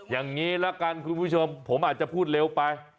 อย่างนี้ละกันคุณผู้ชมผมอาจจะพูดเร็วไป